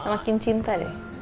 makin cinta deh